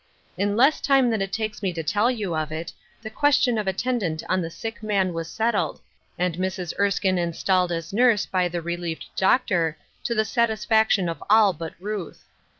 In less time than it takes me to tell you of it, the question of attendant on the sick man was settled, and Mrs. Erskine installed as nurse by the relieved doctor, to the satisfaction of all but Ruth.